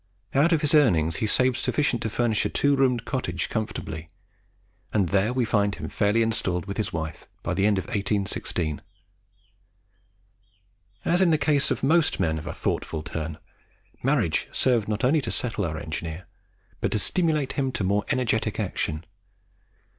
Out of his earnings he saved sufficient to furnish a two roomed cottage comfortably; and there we find him fairly installed with his wife by the end of 1816. As in the case of most men of a thoughtful turn, marriage served not only to settle our engineer, but to stimulate him to more energetic action.